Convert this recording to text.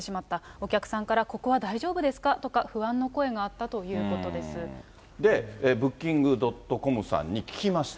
お客さんから、ここは大丈夫ですか？とか、不安の声があったといで、ブッキング・ドットコムさんに聞きました。